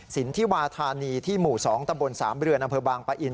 ศิลป์ที่วาธาณีที่หมู่๒ตะบล๓บรอบางปะอิ่น